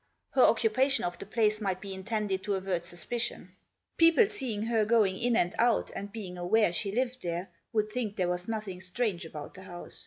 Her occupation of the place might be intended to avert suspicion. People seeing her going in and out, and being aware she lived there, would think there was nothing strange about the house.